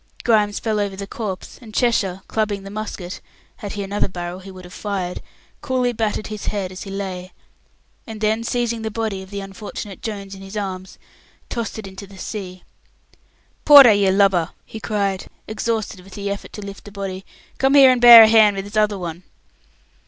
Grimes fell over the corpse, and Cheshire, clubbing the musket had he another barrel he would have fired coolly battered his head as he lay, and then, seizing the body of the unfortunate Jones in his arms, tossed it into the sea. "Porter, you lubber!" he cried, exhausted with the effort to lift the body, "come and bear a hand with this other one!"